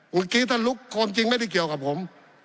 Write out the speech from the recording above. เมื่อกี้ท่านลุกความจริงไม่ได้เกี่ยวกับผม